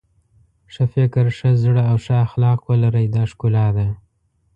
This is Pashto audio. ښه فکر ښه زړه او ښه اخلاق ولرئ دا ښکلا ده.